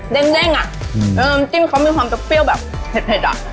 เด้งอ่ะจิ้มเขามีความเปรี้ยวแบบเผ็ดอ่ะ